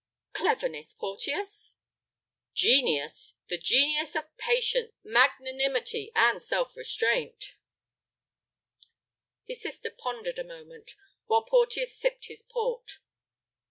"Cleverness, Porteus?" "Genius, the genius of patience, magnanimity, and self restraint." His sister pondered a moment, while Porteus sipped his port.